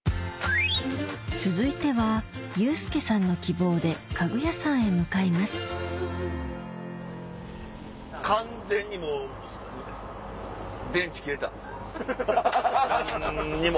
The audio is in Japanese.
続いてはユースケさんの希望で家具屋さんへ向かいます何にも！